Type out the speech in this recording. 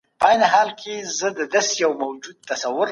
علمي بحثونه اوس هم روان دي.